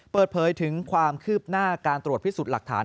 เปิดเผยถึงความคืบหน้าการตรวจพิสูจน์หลักฐาน